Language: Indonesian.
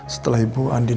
setelah ibu andin